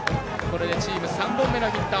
これでチーム３本目のヒット。